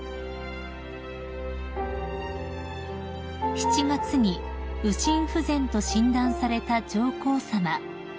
［７月に右心不全と診断された上皇さま］